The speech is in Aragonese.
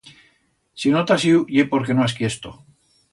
Si no t'has iu ye porque no has quiesto.